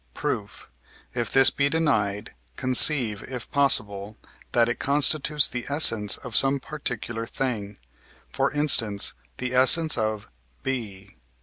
Proof. If this be denied, conceive, if possible, that it constitutes the essence of some particular thing; for instance, the essence of B.